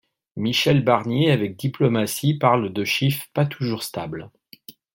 Michel Barnier, avec diplomatie, parle de chiffres pas toujours stables.